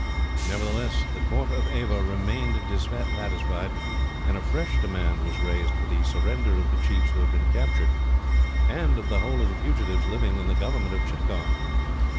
Nevertheless, the court of Ava remained dissatisfied; and a fresh demand was raised for the surrender of the chiefs who had been captured, and of the whole of the fugitives living in the government of Chittagong.